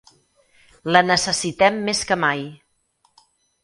La necessitem més que mai